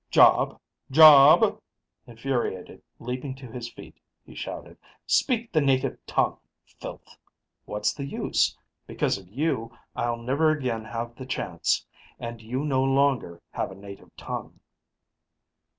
"Job? Job?" Infuriated, leaping to his feet, he shouted, "Speak the native tongue, filth!" "What's the use? Because of you, I'll never again have the chance. And you no longer have a native tongue."